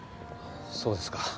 そうですか。